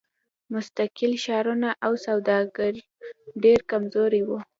مستقل ښارونه او سوداګر ډېر کمزوري وو.